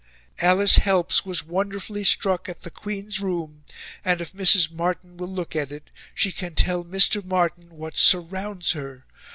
Alice Helps was wonderfully struck at the Queen's room; and if Mrs. Martin will look at it, she can tell Mr. Martin what surrounds her.